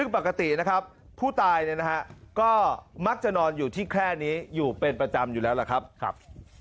ปกตินะครับผู้ตายก็มักจะนอนอยู่ที่แคล่นี้อยู่เป็นประจำอยู่แล้วล่ะครับ